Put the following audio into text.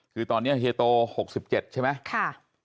คือตอนนี้เฮียโต๖๗ใช่ไหม